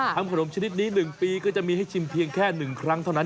ทำขนมชนิดนี้๑ปีก็จะมีให้ชิมเพียงแค่๑ครั้งเท่านั้น